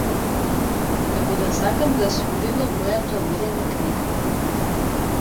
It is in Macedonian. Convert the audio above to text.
Како да сакам да сум дел од мојата омилена книга.